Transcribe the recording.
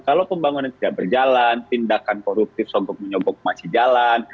kalau pembangunan tidak berjalan tindakan koruptif sogok menyogok masih jalan